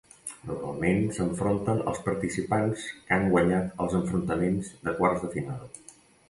Normalment s'enfronten els participants que han guanyat els enfrontaments de quarts de final.